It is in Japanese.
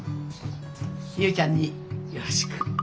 ゆいちゃんによろしく。